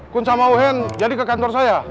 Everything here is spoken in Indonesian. kunt sama ohen jadi ke kantor saya